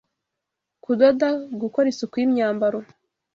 kudoda gukora isuku y’imyambaro